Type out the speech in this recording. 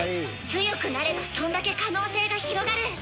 強くなればそんだけ可能性が広がる！